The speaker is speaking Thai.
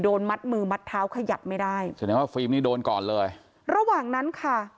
มัดมือมัดเท้าขยับไม่ได้แสดงว่าฟิล์มนี่โดนก่อนเลยระหว่างนั้นค่ะ